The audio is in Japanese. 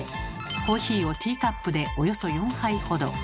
コーヒーをティーカップでおよそ４杯ほど。